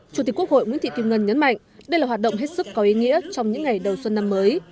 chủ tịch quốc hội nguyễn thị kim ngân nhấn mạnh đây là hoạt động hết sức có ý nghĩa trong những ngày đầu xuân năm mới